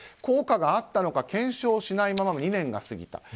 効果があったのか検証しないまま２年が過ぎた。